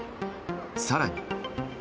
更に。